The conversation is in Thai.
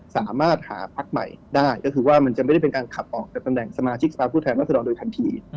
สามารถหาพักใหม่ได้ก็คือว่ามันจะไม่ได้เป็นการขับออกจากตำแหน่งสมาชิกสภาพผู้แทนรัศดรโดยทันที